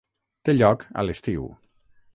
Té lloc a l'estiu.